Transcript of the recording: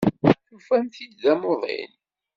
Tufamt-t-id d amuḍin.